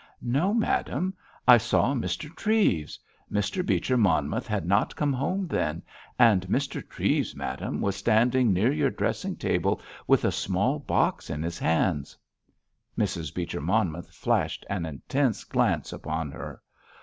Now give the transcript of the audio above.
"No, madame; I saw Mr. Treves. Mr. Beecher Monmouth had not come home then; and Mr. Treves, madame, was standing near your dressing table with a small box in his hands." Mrs. Beecher Monmouth flashed an intense glance upon her.